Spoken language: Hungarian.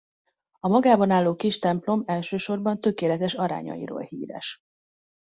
A magában álló kis templom elsősorban tökéletes arányairól híres.